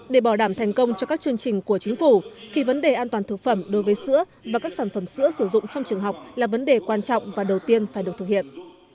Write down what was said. để bảo đảm thành công cho các chương trình của chính phủ thì vấn đề an toàn thực phẩm đối với sữa và các sản phẩm sữa sử dụng trong trường học là vấn đề quan trọng và đầu tiên phải được thực hiện